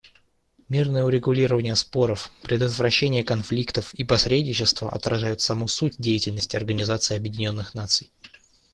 Мирное урегулирование споров, предотвращение конфликтов и посредничество отражают саму суть деятельности Организации Объединенных Наций.